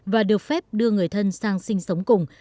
và được phép đưa người thân sang sinh sống cùng